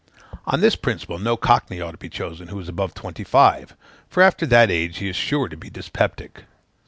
On this principle, no cockney ought to be chosen who is above twenty five, for after that age he is sure to be dyspeptic.